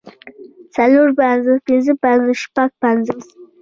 څلور پنځوس پنځۀ پنځوس شپږ پنځوس